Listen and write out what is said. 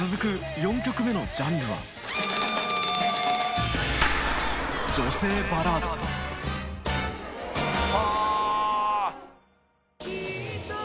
４曲目のジャンルははぁ。